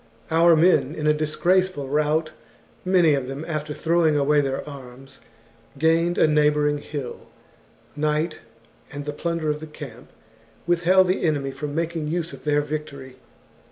Our men, in a disgraceful rout, many of them after throwing away their arms, gained a neigh bouring hill. Night, and the plunder of the camp, withheld the enemy from making use of their victory.